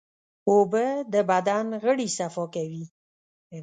اوبه د بدن غړي صفا کوي.